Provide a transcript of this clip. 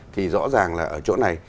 thì rõ ràng là ở chỗ này